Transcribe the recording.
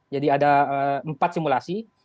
jadi ada empat simulasi